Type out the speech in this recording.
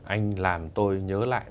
anh làm tôi nhớ lại